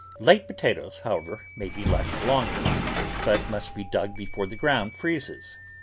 Late potatoes, how ever, may be left longer, but must be dug before the ground freezes.